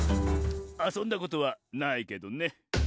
「あそんだことはないけどね」